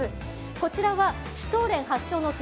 こちらはシュトーレン発祥の地